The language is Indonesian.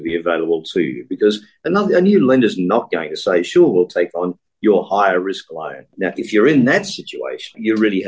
sekarang jika anda berada di situasi itu anda harus berpikir pikir dan berkata